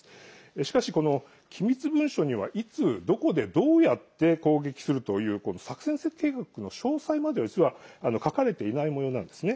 しかし、機密文書にはいつ、どこで、どうやって攻撃するという作戦計画の詳細までは実は書かれていないもようなんですね。